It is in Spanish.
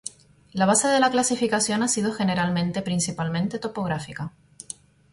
La base de la clasificación ha sido generalmente principalmente topográfica.